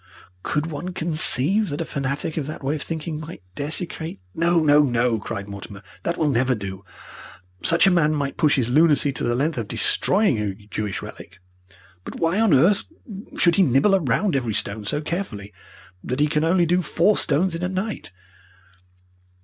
Could one conceive that a fanatic of that way of thinking might desecrate " "No, no, no!" cried Mortimer. "That will never do! Such a man might push his lunacy to the length of destroying a Jewish relic, but why on earth should he nibble round every stone so carefully that he can only do four stones in a night?